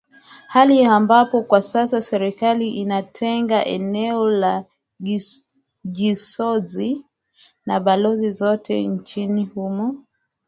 hali ambapo kwa sasa serikali imetenga eneo la jisozi wa balozi zote nchini humo